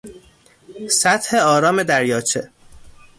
سطح آرام دریاچه